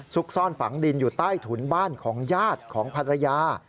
ซ่อนฝังดินอยู่ใต้ถุนบ้านของญาติของภรรยา